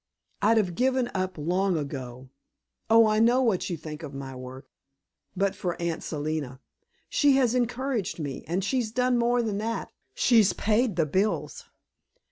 I'd have given up long ago oh, I know what you think of my work but for Aunt Selina. She has encouraged me, and she's done more than that; she's paid the bills."